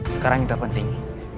sekarang itu yang penting